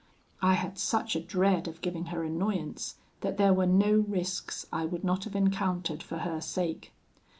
I had such a dread of giving her annoyance, that there were no risks I would not have encountered for her sake.